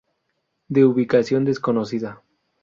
De ubicación desconocida.